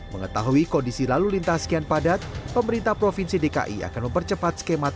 mengetahui kondisi lalu lintas sekian padat pemerintah provinsi dki akan mempercepat skema